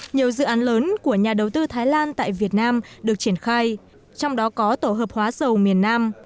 nhiều dự án lớn của nhà đầu tư thái lan tại việt nam được triển khai trong đó có tổ hợp hóa dầu miền nam